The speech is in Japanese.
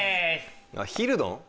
ヒルドン？